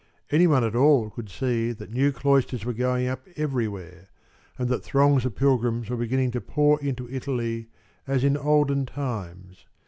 Any one at all could see that new cloisters were going up everywhere and that throngs of pilgrims were beginning to pour into Italy, as in olden times.